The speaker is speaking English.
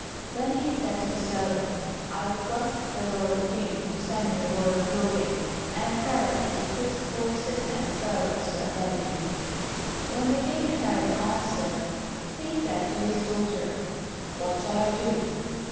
And he said to the servant, "I request the Lord King to send me royal clothing, and a carriage with six horses, and servants to attend me." When the King heard the answer, he said to his daughter, "What shall I do?"